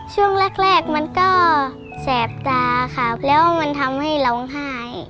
ช่วงแรกมันก็แสบตาครับแล้วมันทำให้ร้องไห้